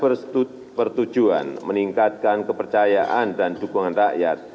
perbukaan dan akuntabilitas yang bertujuan meningkatkan kepercayaan dan dukungan rakyat